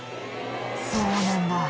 そうなんだ。